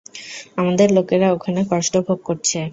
আমাদের লোকেরা ওখানে কষ্ট ভোগ করছে।